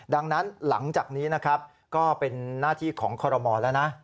ดังนั้นหลังจากนี้นะครับก็เป็นหน้าที่ของคอรมอลแล้วนะ